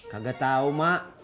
kagak tahu mak